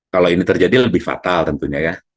kalau ini terjadi lebih fatal tentunya ya